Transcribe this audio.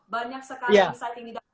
banyak sekali insight ini